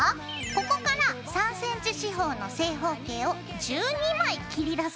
ここから３ｃｍ四方の正方形を１２枚切り出すからね。